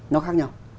nó khác nhau